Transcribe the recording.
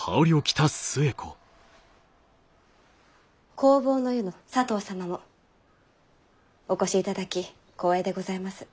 弘法湯の佐藤様もお越しいただき光栄でございます。